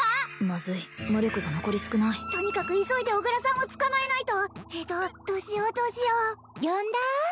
まずい魔力が残り少ないとにかく急いで小倉さんを捕まえないとええっとどうしようどうしよう呼んだ？